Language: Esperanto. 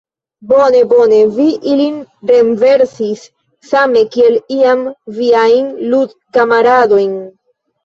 Bone, bone vi ilin renversis, same kiel iam viajn ludkamaradojn!